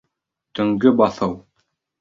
Төнгө баҫыу.